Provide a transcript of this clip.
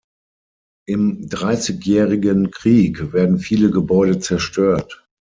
Im Dreißigjährigen Krieg werden viele Gebäude zerstört.